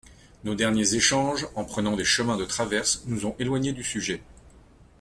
Nos derniers échanges, en prenant des chemins de traverse, nous ont éloignés du sujet.